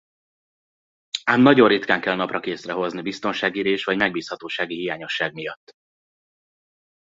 Ám nagyon ritkán kell naprakészre hozni biztonsági rés vagy megbízhatósági hiányosság miatt.